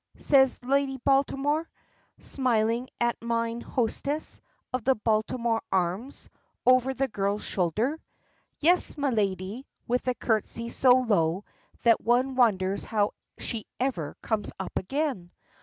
says Lady Baltimore, smiling at mine hostess of the Baltimore Arms, over the girl's shoulder. "Yes, my lady," with a curtsey so low that one wonders how she ever comes up again.